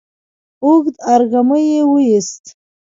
اوږد ارږمی يې وايست،